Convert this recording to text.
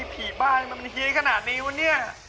อุ้ยภีร์บ้านมันเฮียขนาดนี้วะเนี้ย